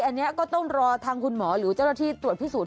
อันนี้ก็ต้องรอทางคุณหมอหรือเจ้าหน้าที่ตรวจพิสูจน